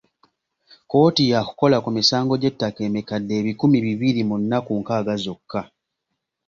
Kkooti yaakukola ku misango gy’ettaka emikadde ebikumi bibiri mu nnaku nkaaga zokka.